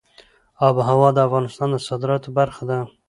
آب وهوا د افغانستان د صادراتو برخه ده.